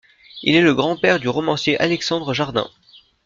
Il est le grand-père du romancier Alexandre Jardin.